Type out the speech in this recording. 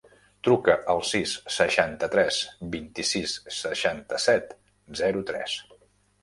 Truca al sis, seixanta-tres, vint-i-sis, seixanta-set, zero, tres.